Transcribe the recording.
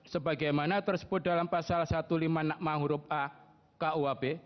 sebagaimana tersebut dalam pasal lima belas nakmah huruf a kuhb